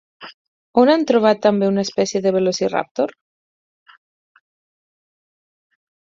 On han trobat també una espècie de Velociraptor?